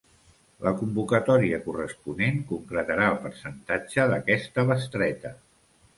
La convocatòria corresponent concretarà el percentatge d'aquesta bestreta.